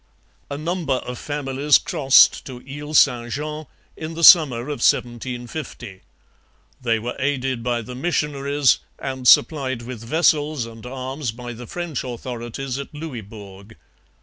A number of families crossed to Ile St Jean in the summer of 1750. They were aided by the missionaries, and supplied with vessels and arms by the French authorities at Louisbourg.